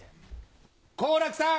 好楽さん